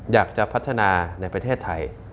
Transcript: อยากจะพัฒนาในประเทศไทย